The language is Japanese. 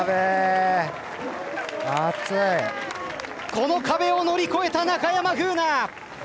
この壁を乗り越えた中山楓奈。